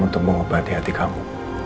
untuk mengubati hati kamu